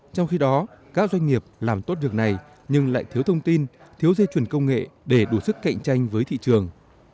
trong khi đó các doanh nghiệp làm tốt việc này nhưng lại thiếu thông tin thiếu dây chuyển công nghệ để đủ sức cạnh tranh với thị trường